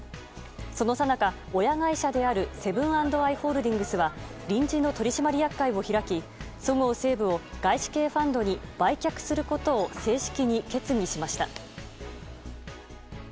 そのさなか、親会社であるセブン＆アイ・ホールディングスは臨時の取締役会を開きそごう・西武を外資系ファンドに売却することを正式に決議しました。